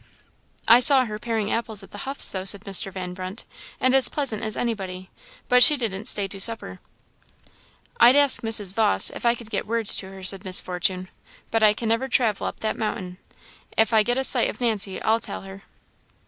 "I saw her paring apples at the Huffs', though," said Mr. Van Brunt, "and as pleasant as anybody; but she didn't stay to supper." "I'd ask Mrs. Vawse, if I could get word to her," said Miss Fortune; "but I can never travel up that mountain. If I get a sight of Nancy, I'll tell her."